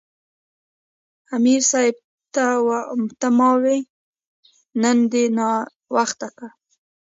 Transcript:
امیر صېب ته ما وې " نن دې ناوخته کړۀ "